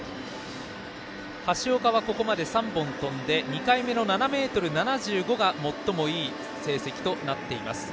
橋岡はここまで３本跳んで２回目の７ｍ７５が最もいい成績となっています。